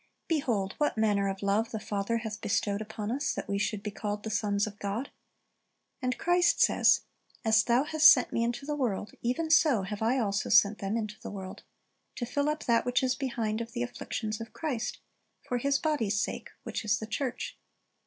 "Behold, what manner of love the Father hath bestowed upon us, that we should be called the sons of God." And Christ says, "As Thou hast sent Me into the world, e\'en so have I also sent them into the world," — to "fill up that which is behind of the afflictions of Christ, ... for His body's sake, which is the church."